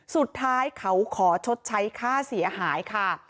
สุดท้ายเขาขอชดใช้ค่าเสียหายค่ะ